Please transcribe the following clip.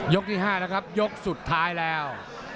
ยกที่ห้าแล้วครับยกเมื่อสุดท้ายแล้ว